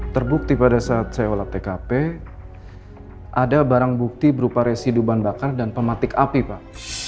terbukti pada saat saya olah tkp ada barang bukti berupa residu bahan bakar dan pematik api pak